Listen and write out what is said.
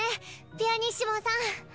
ピアニッシモさん。